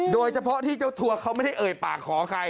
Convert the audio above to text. โดยเฉพาะที่เจ้าทัวร์เขาไม่ได้เอ่ยปากขอใคร